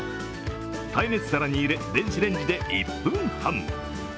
耐熱皿に入れ、電子レンジで１分半。